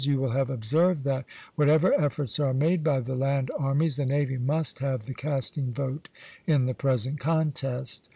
You will have observed that, whatever efforts are made by the land armies, the navy must have the casting vote in the present contest."